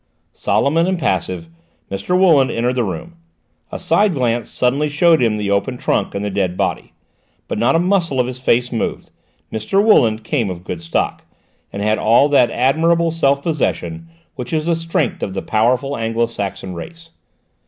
Solemn and impassive, Mr. Wooland entered the room; a side glance suddenly showed him the open trunk and the dead body, but not a muscle of his face moved. Mr. Wooland came of a good stock, and had all that admirable self possession which is the strength of the powerful Anglo Saxon race.